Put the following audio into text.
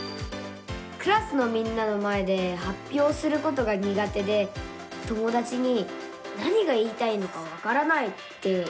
クラスのみんなの前ではっぴょうすることがにが手で友だちに「何が言いたいのかわからない」って言われちゃうんです。